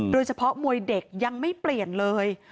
โดยเฉพาะมวยเด็กยังไม่เปลี่ยนเลย